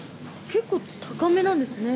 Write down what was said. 結構高めなんですね。